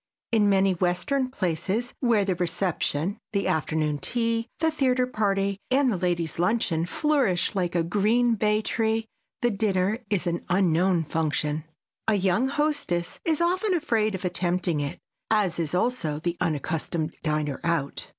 In many western places where the reception, the afternoon tea, the theater party and the ladies' luncheon flourish like a green bay tree, the dinner is an unknown function. A young hostess is often afraid of attempting it, as is also the unaccustomed diner out.